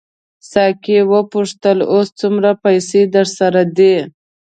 ساقي وپوښتل اوس څومره پیسې درسره دي.